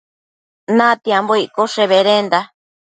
Natiambo iccoshe bedenda